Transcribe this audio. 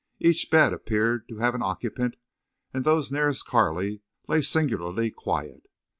Each bed appeared to have an occupant and those nearest Carley lay singularly quiet.